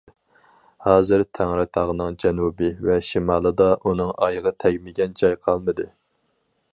ھازىر تەڭرىتاغنىڭ جەنۇبى ۋە شىمالىدا ئۇنىڭ ئايىغى تەگمىگەن جاي قالمىدى.